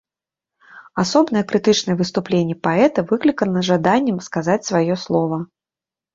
Асобнае крытычнае выступленне паэта выклікана жаданнем сказаць свае слова.